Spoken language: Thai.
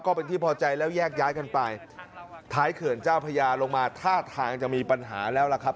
ก็เป็นที่พอใจแล้วแยกย้ายกันไปท้ายเขื่อนเจ้าพญาลงมาท่าทางจะมีปัญหาแล้วล่ะครับ